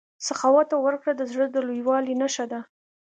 سخاوت او ورکړه د زړه د لویوالي نښه ده.